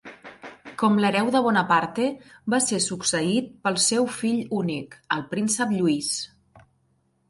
Com l'hereu de Bonaparte, va ser succeït pel seu fill únic, el príncep Lluís.